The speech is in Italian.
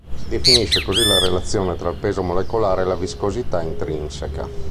Si definisce così la relazione tra il peso molecolare e la viscosità intrinseca.